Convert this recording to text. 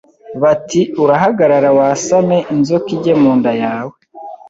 bati urahagarara wasame inzoka ijye mu nda yawe